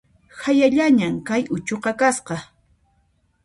Hayallañan kay uchuqa kasqa